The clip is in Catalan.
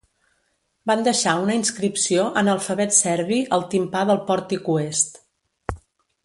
Van deixar una inscripció en alfabet serbi al timpà del pòrtic oest.